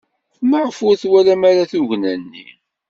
Maɣef ur twalam ara tugna-nni?